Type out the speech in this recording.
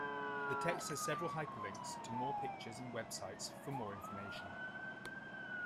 The text has several hyperlinks to more pictures and websites for more information.